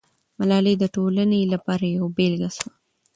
ملالۍ د ټولنې لپاره یوه بېلګه سوه.